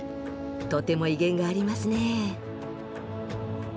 とても威厳がありますね。